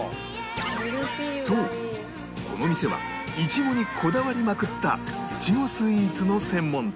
そうこの店はイチゴにこだわりまくったイチゴスイーツの専門店